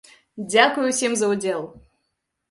Дзякуй усім за ўдзел!